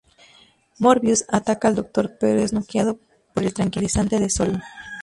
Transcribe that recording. Morbius ataca al Doctor, pero es noqueado por el tranquilizante de Solon.